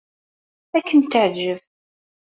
Ad kem-teɛjeb.